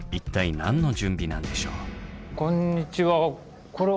こんにちは。